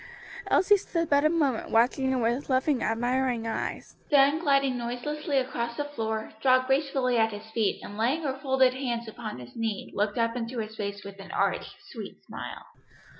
Elsie stood but a moment watching him with loving, admiring eyes, then gliding noiselessly across the floor, dropped gracefully at his feet and laying her folded hands upon his knee looked up into his face with an arch, sweet smile.